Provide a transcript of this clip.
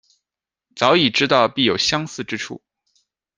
早已知道必有相似之处